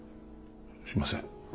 すいません。